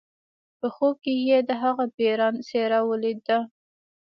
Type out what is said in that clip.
په خوب کې یې د هغه پیریان څیره ولیده